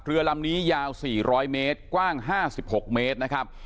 เรือลำนี้ยาว๔๐๐เมตรกว้าง๕๖เมตรนะครับ